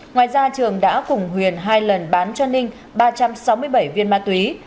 ngoài ra trường đã cùng huyền hai lần bán cho ninh ba trăm sáu mươi bảy viên ma túy